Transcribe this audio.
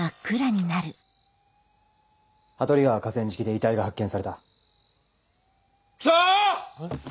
羽鳥川河川敷で遺体が発見された。来た！